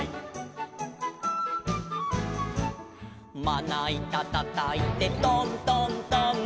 「まないたたたいてトントントン」